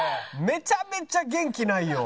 めちゃめちゃ元気ないよ！